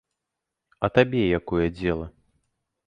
А табе якое дзела?